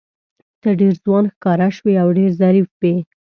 ته ډېر ځوان ښکاره شوې او ډېر ظریف وې.